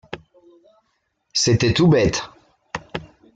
C’était tout bête.